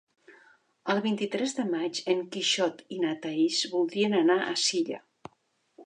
El vint-i-tres de maig en Quixot i na Thaís voldrien anar a Silla.